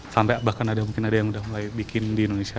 sampai bahkan mungkin ada yang udah mulai bikin di indonesia